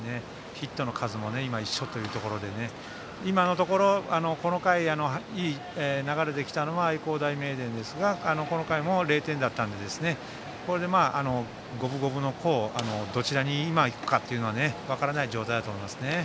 ヒットの数も一緒というところで今のところ、この回いい流れで来たのは愛工大名電ですがこの回も０点だったのでこれで五分五分でどちらに今、行くかというのは分からない状態だと思います。